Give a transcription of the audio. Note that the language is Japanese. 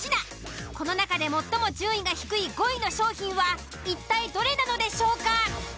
この中で最も順位が低い５位の商品は一体どれなのでしょうか。